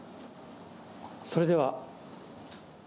それでは。